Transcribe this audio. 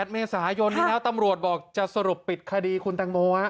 ๘เมษายนนี้แล้วตำรวจบอกจะสรุปปิดคดีคุณตังโม